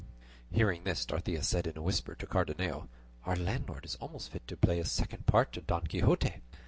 Hearing this Dorothea said in a whisper to Cardenio, "Our landlord is almost fit to play a second part to Don Quixote."